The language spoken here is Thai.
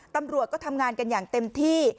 ตำรวจก็ทำงานกันอย่างเต็มที่